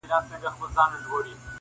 • یک تنها مو تر منزله رسېده دي -